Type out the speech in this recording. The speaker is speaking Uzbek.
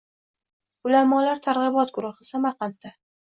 Ulamolar targ‘ibot guruhi – Samarqandda